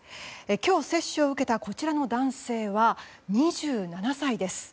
今日、接種を受けたこちらの男性は２７歳です。